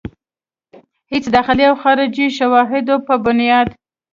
هيڅ داخلي او خارجي شواهدو پۀ بنياد